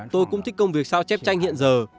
tôi cũng thích công việc sao chép tranh hiện giờ